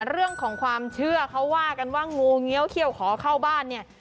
เรื่องของความเชื่อเขาว่ากันว่างูเงี้ยวเขี้ยวขอเข้าบ้านเนี่ย